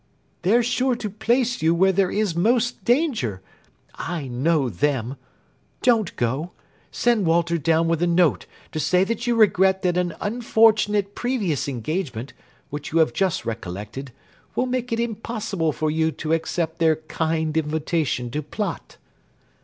"They're sure to place you where there is most danger. I know them. Don't go. Send Walter down with a note to say that you regret that an unfortunate previous engagement, which you have just recollected, will make it impossible for you to accept their kind invitation to plot."